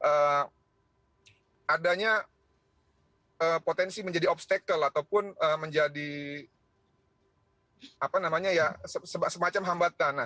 karena menggunakan kewenangan tersebut mungkin dapat adanya potensi menjadi obstacle ataupun menjadi semacam hambatan